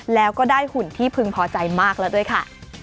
แล้วก็ได้หุ่นที่พึงพอใจมากแล้วด้วยค่ะ